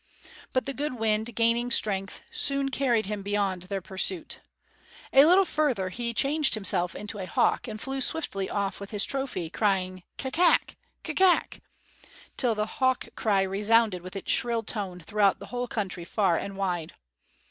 But the good wind, gaining strength, soon carried him beyond their pursuit. A little further on he changed himself into a hawk and flew swiftly off with his trophy, crying, "Ka kak! ka kak!" till the hawk cry resounded with its shrill tone throughout the whole country, far and wide.